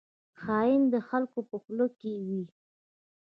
خاین د خلکو په خوله کې وي